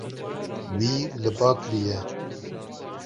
Wî li ba kiriye.